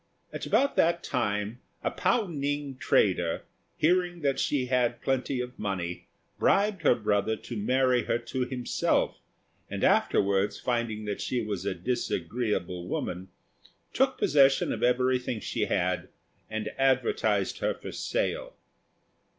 About that time a Pao ning trader, hearing that she had plenty of money, bribed her brother to marry her to himself; and afterwards, finding that she was a disagreeable woman, took possession of everything she had, and advertised her for sale.